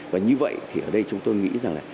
và như vậy thì ở đây chúng tôi nghĩ rằng là